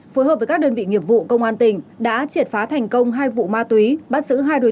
phối hợp với các đơn vị nghiệp vụ công an tỉnh đã triệt phá thành công hai vụ ma túy